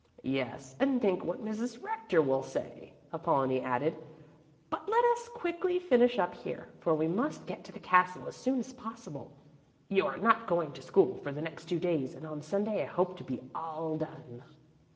"Yes, and think what Mrs. Rector will say," Apollonie added. "But let us quickly finish up here, for we must get to the castle as soon as possible. You are not going to school for the next two days and on Sunday I hope to be all done."